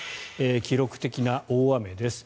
記録的な大雨です。